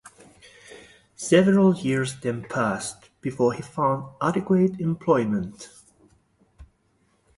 Several years then passed before he found adequate employment.